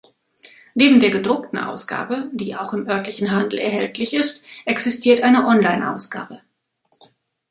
Neben der gedruckten Ausgabe, die auch im örtlichen Handel erhältlich ist, existiert eine Online-Ausgabe.